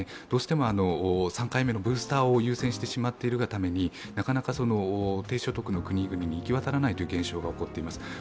どうしても３回目のブースターを優先しているがためになかなか低所得の国々に行き渡らない現象が起こっています。